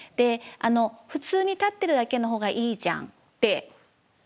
普通に立ってるだけのほうがいいじゃんってその振付より。